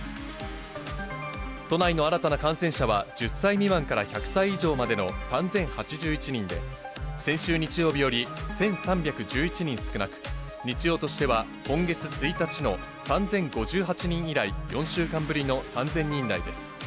都内の新たな感染者は、１０歳未満から１００歳以上までの３０８１人で、先週日曜日より１３１１人少なく、日曜としては今月１日の３０５８人以来、４週間ぶりの３０００人台です。